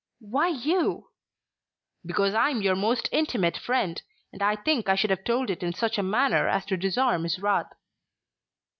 "Why you?" "Because I am your most intimate friend. And I think I should have told it in such a manner as to disarm his wrath."